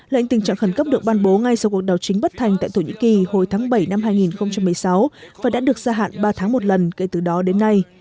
lệnh tình trạng khẩn cấp được ban bố ngay sau cuộc đảo chính bất thành tại thổ nhĩ kỳ hồi tháng bảy năm hai nghìn một mươi sáu và đã được gia hạn ba tháng một lần kể từ đó đến nay